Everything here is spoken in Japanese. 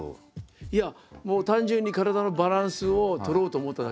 いやもう単純に体のバランスを取ろうと思っただけなんですよ。